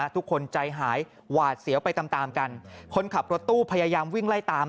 ทุกคนใจหายหวาดเสียวไปตามตามกันคนขับรถตู้พยายามวิ่งไล่ตาม